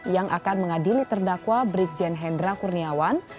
yang akan mengadili terdakwa brigjen hendra kurniawan